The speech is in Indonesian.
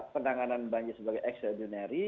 pertanganan banjir sebagai ekstraordinari